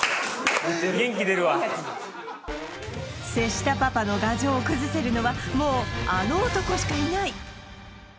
瀬下パパの牙城を崩せるのはもうあの男しかいない！